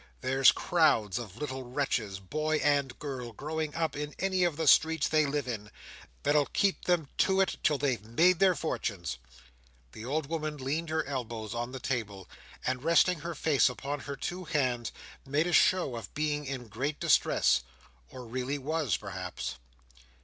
There's crowds of little wretches, boy and girl, growing up in any of the streets they live in, that'll keep them to it till they've made their fortunes." The old woman leaned her elbows on the table, and resting her face upon her two hands, made a show of being in great distress—or really was, perhaps.